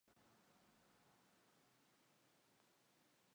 Los asientos son de varillas de madera.